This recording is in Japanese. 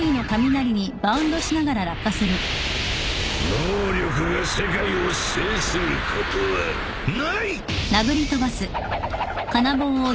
能力が世界を制することはない！